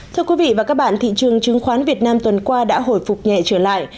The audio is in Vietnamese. thưa quý vị và các bạn thị trường chứng khoán việt nam tuần qua đã hồi phục nhẹ trở lại